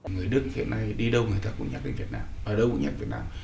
người đức hiện nay đi đâu người thật cũng nhắc đến việt nam ở đâu cũng nhắc đến việt nam